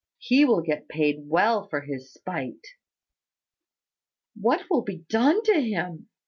"He will get well paid for his spite." "What will be done to him?"